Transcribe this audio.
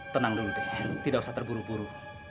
tenang dulu deh tidak usah terburu buru